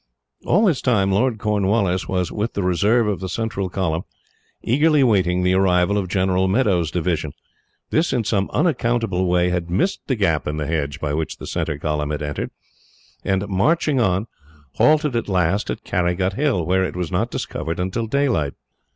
All this time Lord Cornwallis was with the reserve of the central column, eagerly waiting the arrival of General Meadows' division. This, in some unaccountable way, had missed the gap in the hedge by which the centre column had entered, and, marching on, halted at last at Carrygut Hill, where it was not discovered until daylight.